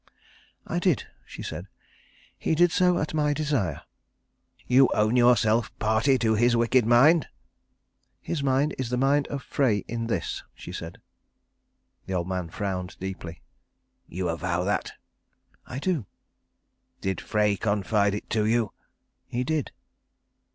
"I did," she said. "He did so at my desire." "You own yourself party to his wicked mind?" "His mind is the mind of Frey in this," she said. The old man frowned deeply. "You avow that?" "I do." "Did Frey confide it to you?" "He did."